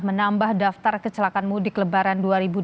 menambah daftar kecelakaan mudik lebaran dua ribu dua puluh